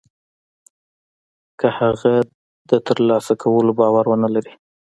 که هغه د تر لاسه کولو باور و نه لري.